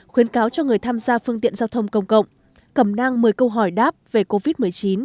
khuyến cáo cho người tham gia phương tiện giao thông công cộng cầm nang một mươi câu hỏi đáp về covid một mươi chín